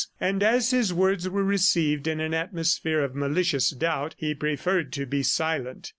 And as his words were received in an atmosphere of malicious doubt, he preferred to be silent.